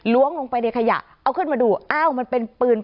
ลงไปในขยะเอาขึ้นมาดูอ้าวมันเป็นปืน